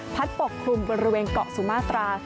ปกคลุมบริเวณเกาะสุมาตรา